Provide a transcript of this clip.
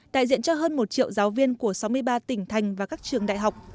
đại diện cho hơn một triệu giáo viên của sáu mươi ba tỉnh thành và các trường đại học